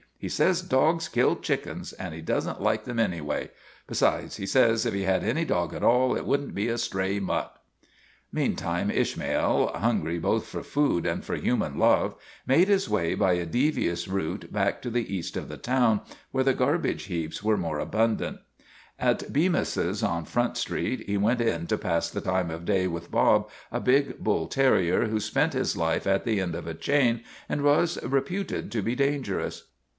He says dogs kill chickens, and he does n't like them anyway. Besides, he says if he had any dog at all, it wouldn't be a stray mutt." * Meantime Ishmael, hungry both for food and for human love, made his way by a devious route back to the east of the town, where the garbage heaps ISHMAEL 119 were more abundant. At Bemis's on Front Street he went in to pass the time of day with Bob, a big bull terrier who spent his life at the end of a chain and was reputed to be dangerous.